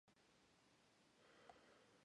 Severance Hall is the Cleveland Orchestra's home.